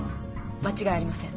間違いありません。